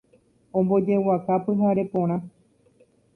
Ombojeguaka pyhare porã